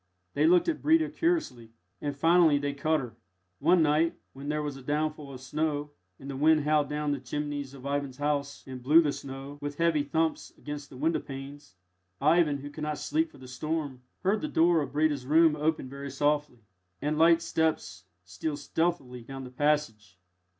They looked at Breda curiously, and finally they cut her. One night, when there was a downfall of snow, and the wind howled down the chimneys of Ivan's house and blew the snow, with heavy thumps against the window panes, Ivan, who could not sleep for the storm, heard the door of Breda's room open very softly, and light steps steal stealthily down the passage.